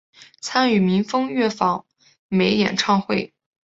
参与民风乐府访美演唱会。